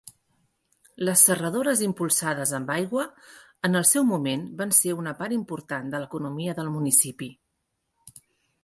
Les serradores impulsades amb aigua, en el seu moment van ser una part important de l'economia del municipi.